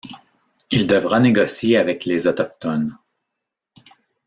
Il devra négocier avec les autochtones.